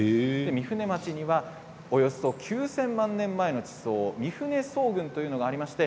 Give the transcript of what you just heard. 御船町にはおよそ、９０００万年前の地層御船層群というのがありまして